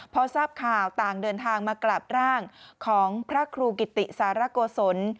พอทราบข่าวต่างเดินทางมากราบร่างของพระครูกิติสารโกศล